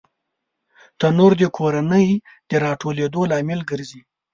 تنور د کورنۍ د راټولېدو لامل ګرځي